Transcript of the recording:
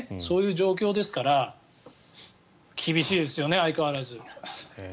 そういう状況ですから厳しいですよね、相変わらず。